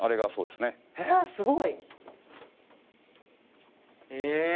すごい！へえ！